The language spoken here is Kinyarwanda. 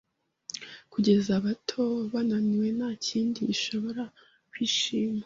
Kugeza abato, bananiwe, Ntakindi gishobora kwishima